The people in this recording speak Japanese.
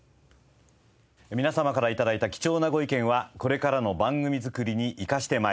皆様から頂いた貴重なご意見はこれからの番組作りに生かして参ります。